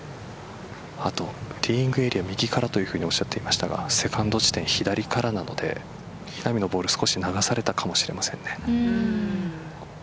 あとティーイングエリア右からとおっしゃっていましたがセカンド地点、左からなので稲見のボール少し流されたかもしれません。